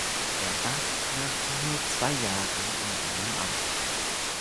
Er starb nach nur zwei Jahren in seinem Amt.